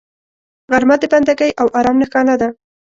غرمه د بندګۍ او آرام نښانه ده